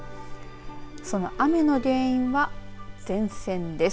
その雨の原因は前線です。